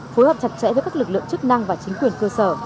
phối hợp chặt chẽ với các lực lượng chức năng và chính quyền cơ sở